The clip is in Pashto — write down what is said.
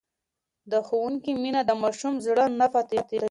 د ښوونکي مینه د ماشوم زړه نه ماتوي.